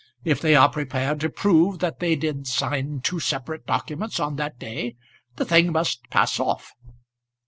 If they are prepared to prove that they did sign two separate documents on that day, the thing must pass off."